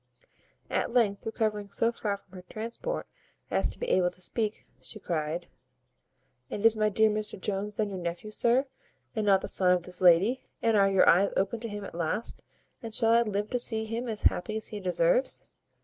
At length, recovering so far from her transport as to be able to speak, she cried, "And is my dear Mr Jones then your nephew, sir, and not the son of this lady? And are your eyes opened to him at last? And shall I live to see him as happy as he deserves?"